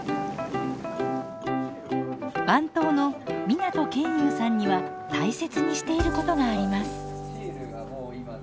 番頭の湊研雄さんには大切にしていることがあります。